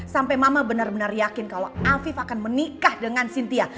sampai mama benar benar yakin kalau afif akan menikah dengan sintia